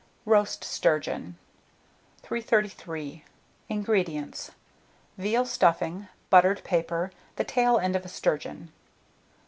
ROAST STURGEON. 333. INGREDIENTS. Veal stuffing, buttered paper, the tail end of a sturgeon.